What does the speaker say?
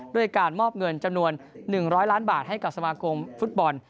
ด้วยการมอบเงินจำนวน๑๐๐ล้านบาทให้กับสมาคมฟุตบอล